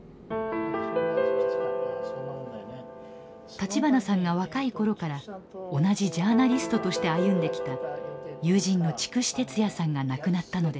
立花さんが若いころから同じジャーナリストとして歩んできた友人の筑紫哲也さんが亡くなったのです。